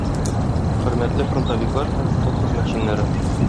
Хөрмәтле фронтовиклар һәм тыл хезмәтчәннәре!